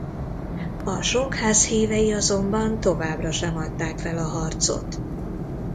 A Song-ház hívei azonban továbbra sem adták fel a harcot.